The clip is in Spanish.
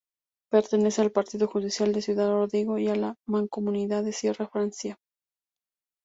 Pertenece al partido judicial de Ciudad Rodrigo y a la Mancomunidad Sierra de Francia.